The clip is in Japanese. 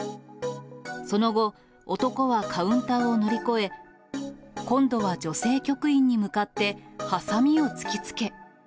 その後、男はカウンターを乗り越え、今度は女性局員に向かってはさみを突きつけ。